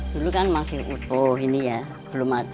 dulu kan masih utuh ini ya